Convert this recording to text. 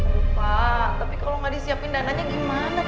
oh pak tapi kalo gak disiapin dananya gimana